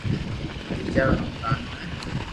ٻيجا رو ڪانتو ھي